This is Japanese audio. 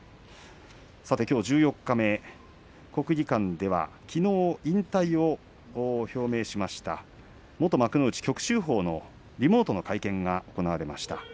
きょう十四日目、国技館ではきのう引退を表明しました元幕内旭秀鵬のリモート会見が行われました。